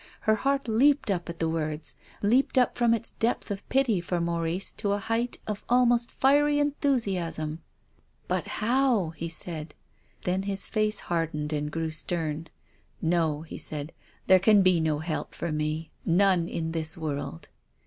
Her heart leaped up at the words, leaped up from its depth of pity for Mau rice to a height of almost fiery enthusiasm. " But how ?" he said. Then his face hardened and grew stern. " No," he said, " there can be no help for me, none in this world."